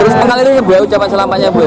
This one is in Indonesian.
terus pengalirin ucapan selamatnya bu ya